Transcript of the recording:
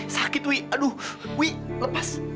sakit wi aduh wi lepas